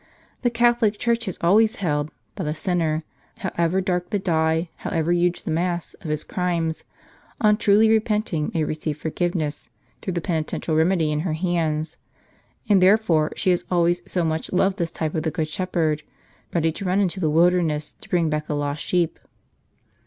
The Catholic Church has always held, that a sinner, however dark the dye, however huge the mass, of his crimes, on truly repenting, may receive forgive ness, through the penitential remedy left in her hands. And, w therefore, she has always so much loved this type of the Good Shepherd, ready to run into the wilderness, to bring back a lost sheep."